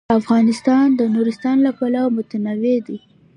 افغانستان د نورستان له پلوه متنوع دی.